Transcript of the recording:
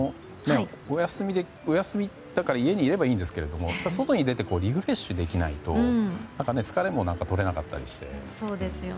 お休みだから家にいればいいんですけどやっぱり外に出てリフレッシュできないと疲れも取れなかったりして。